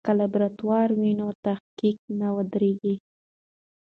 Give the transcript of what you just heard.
که لابراتوار وي نو تحقیق نه ودریږي.